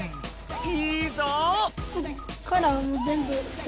いいぞ！